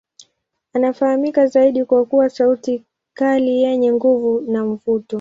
Anafahamika zaidi kwa kuwa sauti kali yenye nguvu na mvuto.